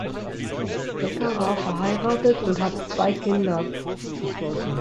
Becker war verheiratet und hat zwei Kinder.